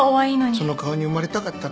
その顔に生まれたかったな。